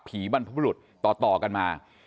บรรพบุรุษต่อกันมา